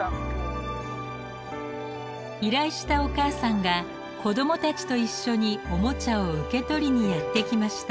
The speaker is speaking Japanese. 依頼したお母さんが子どもたちと一緒におもちゃを受け取りにやって来ました。